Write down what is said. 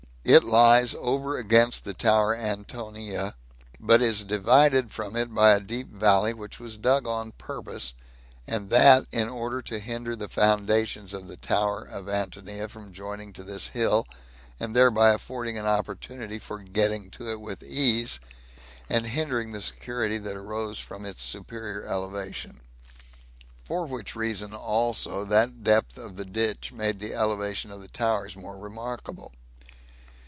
It lies over against the tower Antonia, but is divided from it by a deep valley, which was dug on purpose, and that in order to hinder the foundations of the tower of Antonia from joining to this hill, and thereby affording an opportunity for getting to it with ease, and hindering the security that arose from its superior elevation; for which reason also that depth of the ditch made the elevation of the towers more remarkable.